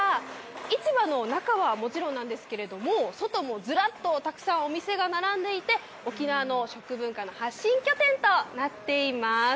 市場の中はもちろんなんですけれども外もずらっとお店が並んでいて沖縄の食文化の発信拠点となっています。